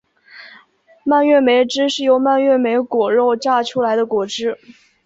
蔓越莓汁是由蔓越莓果肉榨出的果汁。